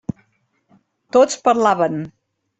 Tots parlaven.